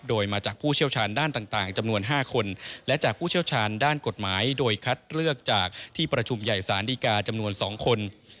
โดยมาจากผู้เชี่ยวชาญด้านต่างจำนวน๕คนและจากผู้เชี่ยวชาญด้านกฎหมายโดยคัดเลือกจากที่ประชุมใหญ่ศาลดีกาจำนวน๒คน